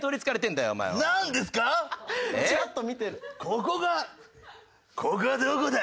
ここがここはどこだ？